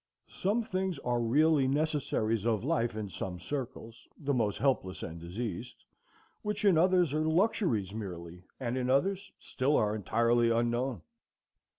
Some things are really necessaries of life in some circles, the most helpless and diseased, which in others are luxuries merely, and in others still are entirely unknown.